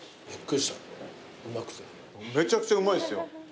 めちゃくちゃうまいっすよ。